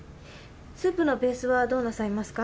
スープのベースはどうなさいますか？